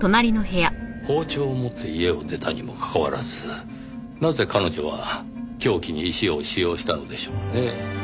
包丁を持って家を出たにもかかわらずなぜ彼女は凶器に石を使用したのでしょうねぇ。